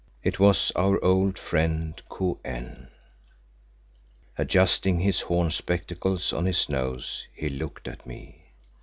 It was our old friend Kou en. Adjusting his horn spectacles on his nose he looked at me.